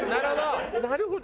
なるほど！